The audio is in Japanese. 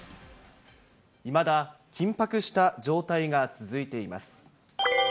いまだ緊迫した状態が続いています。